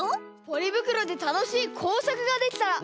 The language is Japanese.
ポリぶくろでたのしいこうさくができたら。